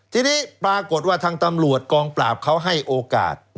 ทีนี้ปรากฏว่าทางตำรวจกองปราบเขาให้โอกาส